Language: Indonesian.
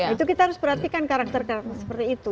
itu kita harus perhatikan karakter karakter seperti itu